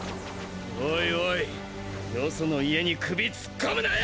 おいおい他所の家に首突っ込むなよ！